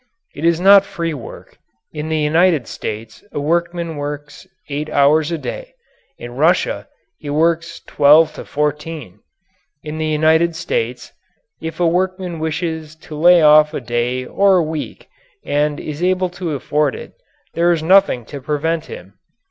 It is not free work. In the United States a workman works eight hours a day; in Russia, he works twelve to fourteen. In the United States, if a workman wishes to lay off a day or a week, and is able to afford it, there is nothing to prevent him.